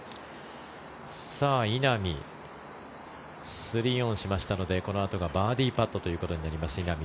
稲見、３オンしましたのでこのあとがバーディーパットということになります稲見